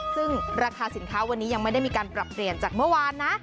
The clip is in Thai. ซึ่งราคาสินค้าวันนี้ยังไม่ได้มีการปรับเปลี่ยนจากเมื่อวานนะ